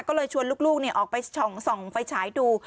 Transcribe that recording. ก็เลยชวนลูกออกไปส่องไฟฉายดู